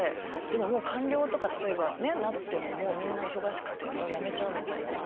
でももう官僚とか例えばなってももうみんな忙しくて辞めちゃうみたいな。